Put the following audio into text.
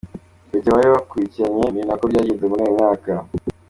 Icyo gihe bari bakurikiranye, ni nako byagenze muri uyu mwaka.